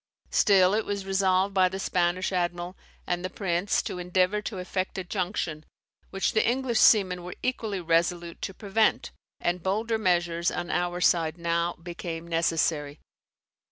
Still it was resolved by the Spanish admiral and the prince to endeavour to effect a junction, which the English seamen were equally resolute to prevent: and bolder measures on our side now became necessary.